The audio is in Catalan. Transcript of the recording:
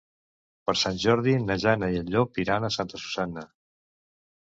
Per Sant Jordi na Jana i en Llop iran a Santa Susanna.